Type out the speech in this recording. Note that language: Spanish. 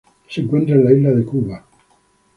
Se encuentra en la isla de Cuba.